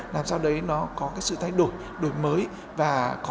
làm sao đấy nó có cái sự thay đổi đổi mới và có